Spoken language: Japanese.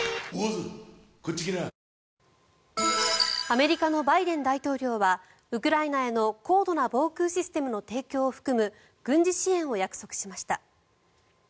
アメリカのバイデン大統領はウクライナへの高度な防空システムの提供を含む軍事支援を約束しました。